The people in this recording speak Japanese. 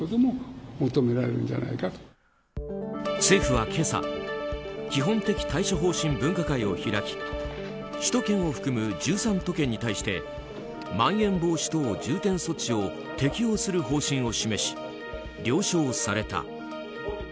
政府は今朝基本的対処方針分科会を開き首都圏を含む１３都県に対してまん延防止等重点措置を適用する方針を示し了承された。